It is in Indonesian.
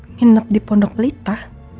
minup di pondok pelita